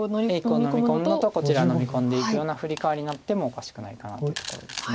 これのみ込むのとこちらのみ込んでいくようなフリカワリになってもおかしくないかなというところです。